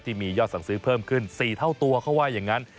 ที่มียอดสั่งซื้อเพิ่มขึ้น๔เท่าตัวเขาว่าอย่างนั้น